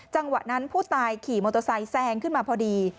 จังหวะนั้นผู้ตายขี่มอเตอร์ไซค์แซงขึ้นมาพอดี